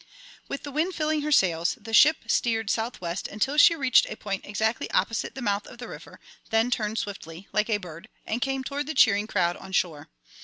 With the wind filling her sails, the ship steered south west until she reached a point exactly opposite the mouth of the river, then turned swiftly, like a bird, and came toward the cheering crowd on shore.